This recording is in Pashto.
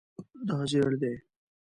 دا زیړ دی